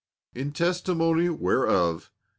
In testimony whereof, John M.